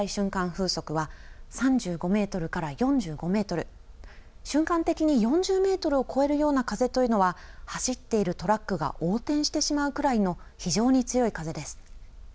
風速は３５メートルから４５メートル、瞬間的に４０メートルを超えるような風というのは走っているトラックが横転してしまうくらいの非常に強い風です。